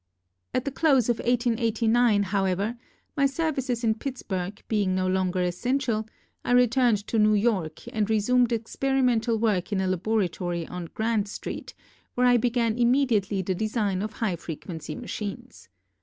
At the close of 1889, however, my services in Pittsburg being no longer essential, I returned to New York and resumed experi mental work in a laboratory on Grand Street, where I began immediately the de sign of high frequency machines.